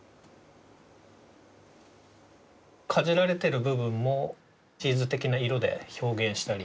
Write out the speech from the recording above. かじられてる部分もチーズ的な色で表現したり。